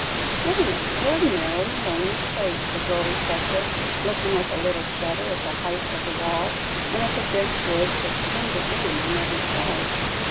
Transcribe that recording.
"What an extraordinarily lonely place," the girl reflected, looking with a little shudder at the height of the wall, and at the dense woods which hemmed it in on every side.